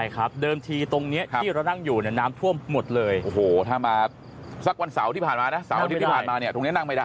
ครับเดิมทีตรงนี้ที่เรานั่งอยู่เนี่ยน้ำท่วมหมดเลยโอ้โหถ้ามาสักวันเสาร์ที่ผ่านมาเนี่ยตรงนี้นั่งไม่ได้